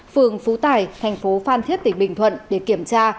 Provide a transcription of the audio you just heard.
phường phú tải thành phố phan thiết tỉnh bình thuận để kiểm tra